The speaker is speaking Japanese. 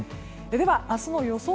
では、明日の予想